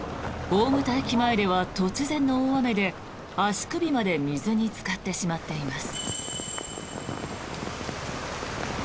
大牟田駅前では突然の大雨で足首まで水につかってしまっています。